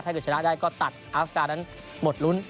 ไปชนะได้ก็ตัดอัฟกานั้นหมดลุ้น